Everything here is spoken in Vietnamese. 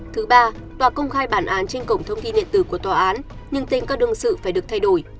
thứ ba tòa công khai bản án trên cổng thông tin điện tử của tòa án nhưng tên các đương sự phải được thay đổi